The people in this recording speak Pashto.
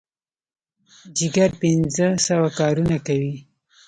جګر پنځه سوه کارونه کوي.